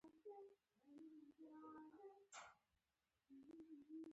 زه چې يې ولېدلم راولاړ سو.